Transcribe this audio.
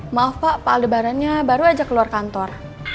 maaf pak pak aldebarannya baru aja keluar kantor